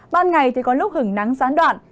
ban ngày thì có lúc hứng nắng gián đoạn